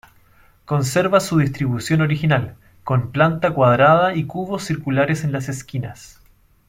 Conserva su distribución original, con planta cuadrada y cubos circulares en las esquinas.